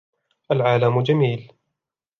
العالم جميل.